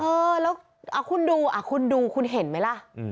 เออแล้วคุณดูคุณดูคุณเห็นไหมล่ะ